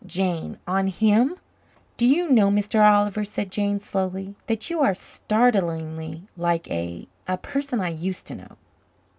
Jane! On him! "Do you know, Mr. Oliver," said Jane slowly, "that you are startlingly like a a person I used to know?